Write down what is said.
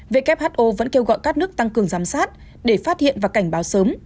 who vẫn kêu gọi các nước tăng cường giám sát để phát hiện và cảnh báo sớm